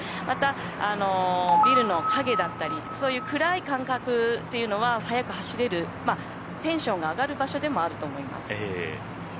また、ビルの陰だったりそういう暗い感覚というのは速く走れるテンションが上がる場所でもあると思います。